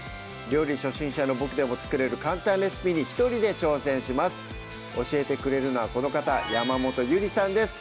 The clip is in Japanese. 料理初心者のボクでも作れる簡単レシピに一人で挑戦します教えてくれるのはこの方山本ゆりさんです